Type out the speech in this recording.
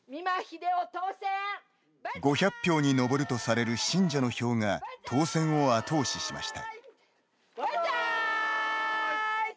５００票に上るとされる信者の票が当選を後押ししました。